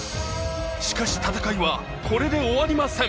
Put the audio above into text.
靴戦いはこれで終わりません。